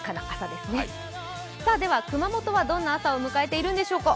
熊本はどんな朝を迎えているんでしょうか。